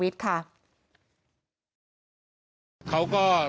ทีนี้ค่ะท่านในความทางฝ่ายครอบครัวของหมอคุณ